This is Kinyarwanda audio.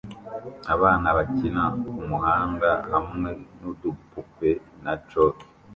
Abana bakina kumuhanda hamwe nudupupe na chalk